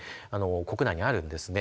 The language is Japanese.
国内にあるんですね。